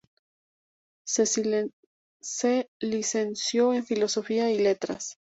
Se licenció en Filosofía y Letras.